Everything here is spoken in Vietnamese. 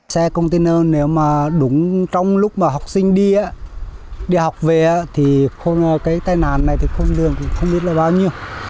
xe container nếu mà đúng trong lúc mà học sinh đi đi học về thì cái tai nạn này không được không biết là bao nhiêu